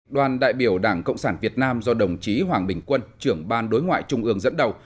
đoàn đại biểu đảng cộng sản việt nam do đồng chí hoàng bình quân trưởng ban đối ngoại trung ương dẫn đầu